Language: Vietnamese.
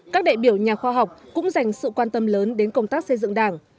các đại biểu nhà khoa học cũng dành sự quan tâm lớn đến công tác xây dựng đảng